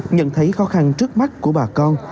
nhận thấy khó khăn trước mắt của bà con